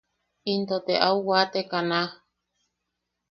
Into te au waateka naaj.